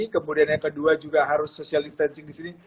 kemudian yang kedua juga harus social distancing di sini